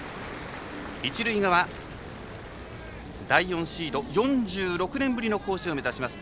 一塁側第４シード、４６年ぶりの甲子園を目指します。